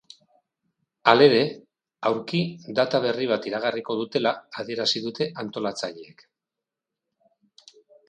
Halere, aurki data berri bat iragarriko dutela adierazi dute antolatzaileek.